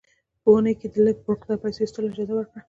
په اونۍ کې یې د لږ مقدار پیسو ایستلو اجازه ورکړه.